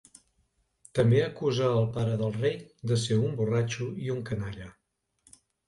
També acusa el pare del rei de ser “un borratxo” i un “canalla”.